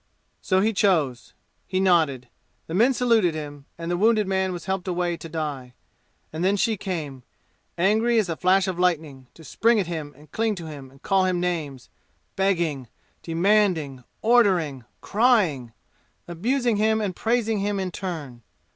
So he chose. He nodded. The men saluted him, and the wounded man was helped away to die. And then she came, angry as a flash of lightning, to spring at him and cling to him and call him names begging, demanding, ordering, crying abusing him and praising him in turn.